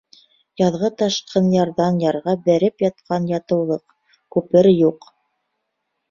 Яҙғы ташҡын ярҙан ярға бәреп ятҡан ятыулыҡ, күпер юҡ.